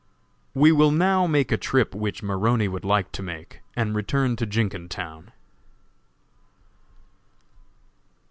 We will now make a trip which Maroney would like to make, and return to Jenkintown.